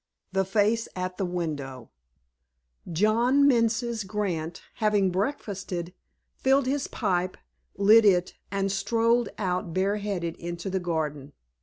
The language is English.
The Face at the Window John Menzies Grant, having breakfasted, filled his pipe, lit it, and strolled out bare headed into the garden.